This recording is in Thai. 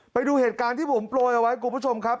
ไปดูเหตุการณ์ที่บุ๋ยมปล่อยเอาไว้กลุ่มผู้ชมครับ